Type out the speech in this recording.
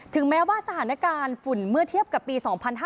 แม้ว่าสถานการณ์ฝุ่นเมื่อเทียบกับปี๒๕๕๙